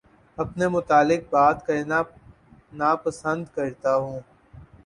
اپنے متعلق بات کرنا نا پسند کرتا ہوں